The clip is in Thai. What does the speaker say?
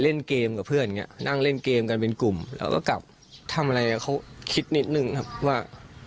เราก็กลับทำอะไรเขาคิดนิดนึงครับว่า